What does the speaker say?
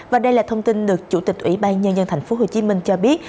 và đây là thông tin được chủ tịch ủy ban nhân dân thành phố hồ chí minh cho biết